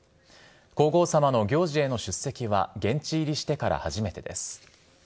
皇后さまの行事への出席は、現地入りしてから初めてです。